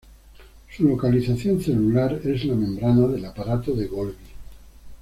Su localización celular es la membrana del aparato de Golgi.